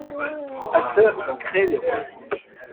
Acteurs qui ont créé les rôles.